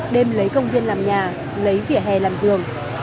đêm lấy công viên làm nhà lấy vỉa hè làm giường